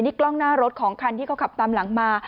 นี่กล้องหน้ารถของคันที่เขาขับตามหลังมา